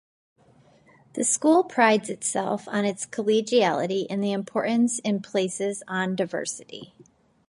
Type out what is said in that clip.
The school prides itself on its collegiality and the importance it places on diversity.